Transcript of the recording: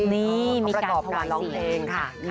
นี่มีการถวายเสียง